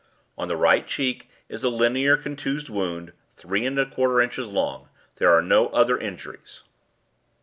On the right cheek is a linear contused wound three and a quarter inches long. There are no other injuries.